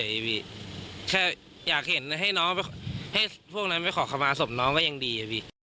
สิแค่อยากเห็นให้พวกนั้นไปขอขมาสมน้องก็ยังดี